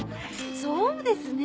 そうですね。